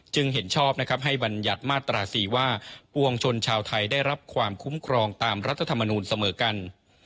เห็นชอบนะครับให้บรรยัติมาตรา๔ว่าปวงชนชาวไทยได้รับความคุ้มครองตามรัฐธรรมนูลเสมอกัน